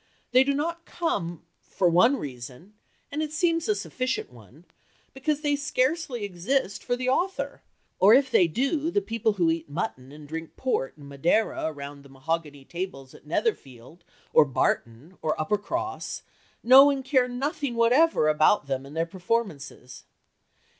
They do not come, for one reason and it seems a sufficient one because they scarcely exist for the author, or if they do, the people who eat mutton and drink port and Madeira around the mahogany tables at Netherfield, or Barton, or Uppercross, know and care nothing whatever about them and their performances.